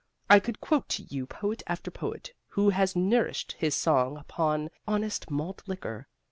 I could quote to you poet after poet who has nourished his song upon honest malt liquor.